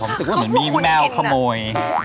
รู้สึกว่าเหมือนมีแมวขโมย